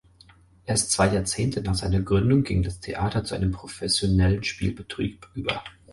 Erst zwei Jahrzehnte nach seiner Gründung ging das Theater zu einem professionellem Spielbetrieb über.